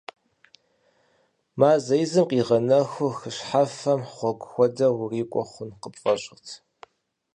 Мазэ изым къигъэнэху хы щхьэфэм гъуэгум хуэдэу урикӏуэ хъуну къыпфӏэщӏырт.